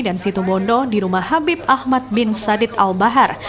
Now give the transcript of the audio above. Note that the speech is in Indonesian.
dan situ bondo di rumah habib ahmad bin sadid al bahar